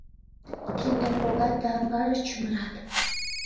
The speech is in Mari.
Киндым погат да амбарыш чумырат.